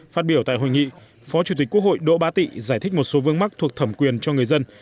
phát biểu tại hội nghị phó chủ tịch quốc hội đỗ bá tị giải thích một số vương mắc thuộc thẩm quyền cho người dân